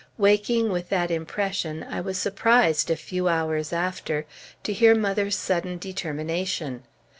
Waking with that impression, I was surprised, a few hours after, to hear mother's sudden determination.